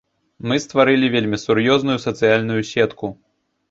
Мы стварылі вельмі сур'ёзную сацыяльную сетку.